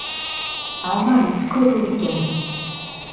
Ɛumaṛ yeskurruy kan.